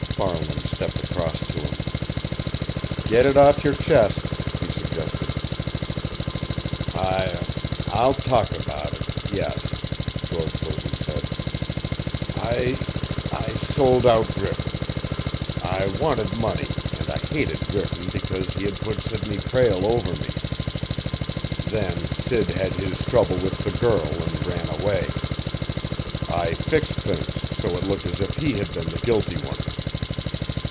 Farland stepped across to him. "Get it off your chest!" he suggested. "I I'll talk about it yes!" George Lerton said. "I I sold out Griffin. I wanted money, and I hated Griffin because he had put Sidney Prale over me. Then Sid had his trouble with the girl and ran away. I fixed things so it looked as if he had been the guilty one.